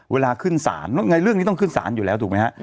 เวลาขึ้นศาลไงเรื่องนี้ต้องขึ้นศาลอยู่แล้วถูกไหมฮะ